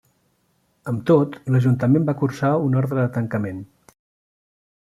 Amb tot, l'Ajuntament va cursar una ordre de tancament.